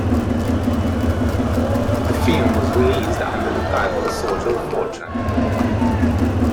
The film was released under the title "Soldier of Fortune".